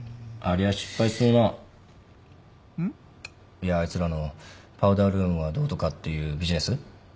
いやあいつらのパウダールームがどうとかっていうビジネス？